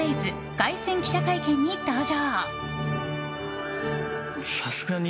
凱旋記者会見に登場。